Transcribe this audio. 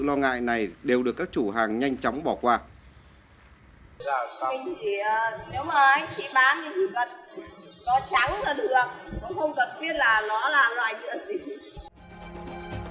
không cần biết là nó là loại nhựa gì